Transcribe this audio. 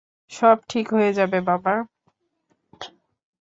সব ঠিক হয়ে যাবে, বাবা।